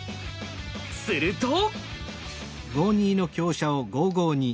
すると。